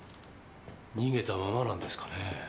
逃げたままなんですかねぇ。